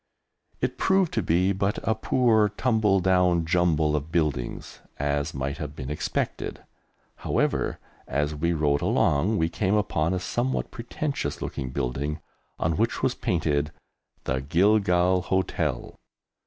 It proved to be but a poor tumble down jumble of buildings, as might have been expected. However, as we rode along, we came upon a somewhat pretentious looking building on which was painted "The Gilgal Hotel."